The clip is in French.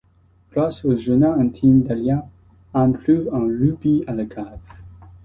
Grâce au journal intime d'Ariane, Anne trouve un rubis à la cave.